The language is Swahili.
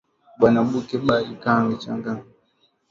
Banamuke bari changa makuta njuu ya ku rima shamba ya munene sana